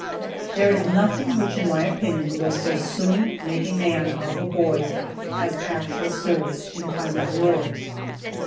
There is nothing which, in my opinion, will so soon make a man out of a boy as actual service in time of war.